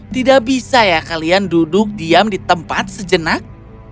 tidak bisa ya kalian duduk diam di tempat sejenak